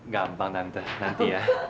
gampang tante nanti ya